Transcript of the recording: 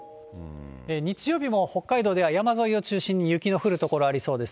日曜日も北海道では山沿いを中心に雪の降る所ありそうです。